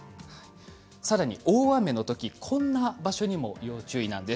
さらに大雨のときこんな場所にも要注意なんです。